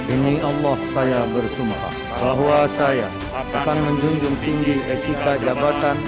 ini allah saya bersumpah bahwa saya akan menjunjung tinggi etika jabatan